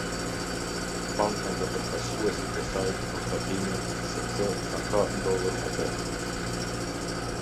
Bankën dhe përfaqësuesit e saj në konstatimin sc a ka ndodhur me të.